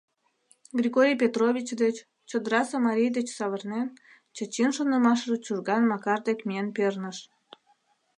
Григорий Петрович деч, чодырасе марий деч савырнен, Чачин шонымашыже Чужган Макар дек миен перныш...